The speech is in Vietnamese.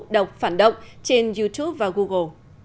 đọc phản động trên youtube và google